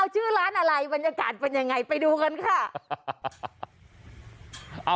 ชื่อร้านอะไรบรรยากาศเป็นยังไงไปดูกันค่ะ